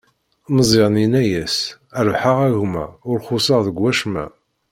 Meẓyan yenna-as: Rebḥeɣ, a gma, ur xuṣṣeɣ deg wacemma.